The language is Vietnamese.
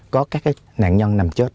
có các cái nạn nhân nằm chết